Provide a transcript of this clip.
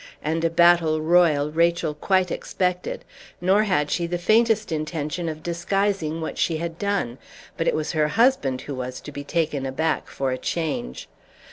And a battle royal Rachel quite expected; nor had she the faintest intention of disguising what she had done; but it was her husband who was to be taken aback, for a change.